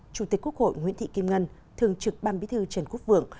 chủ tịch quốc hội nguyễn thị kim ngân thường trực ban bí thư trần quốc vượng